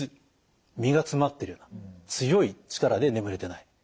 実が詰まってるような強い力で眠れてない。